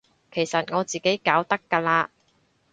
其實我自己搞得㗎喇